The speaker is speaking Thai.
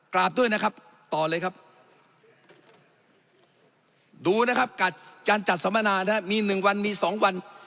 กราบด้วยนะครับต่อเลยครับดูนะครับการจัดสัมมนานะครับมี๑วันมี๒วัน